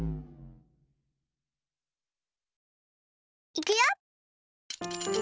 いくよ！